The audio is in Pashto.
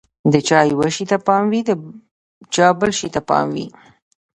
د چا یوه شي ته پام وي، د چا بل شي ته پام وي.